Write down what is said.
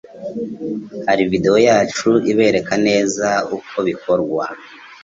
hari video yacu ibereka neza uko bikorwa